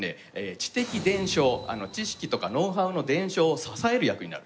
知的伝承知識とかノウハウの伝承を支える役になる。